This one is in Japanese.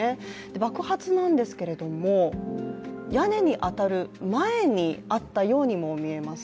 爆発なんですけれども、屋根に当たる前にあったようにも見えます。